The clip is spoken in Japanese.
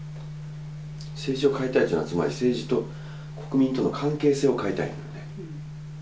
政治を変えたいのは、つまり、政治と国民との関係性を変えたい。